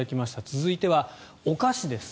続いてはお菓子です。